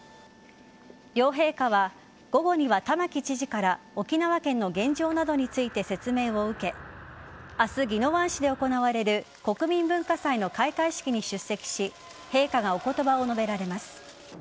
両陛下は午後には玉城知事から沖縄県の現状などについて説明を受け明日、宜野湾市で行われる国民文化祭の開会式に出席し陛下がおことばを述べられます。